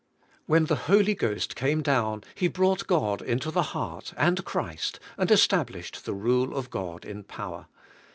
When the Holy Ghost came down He brought God into the heart, and Christ, and established the rule of God in power.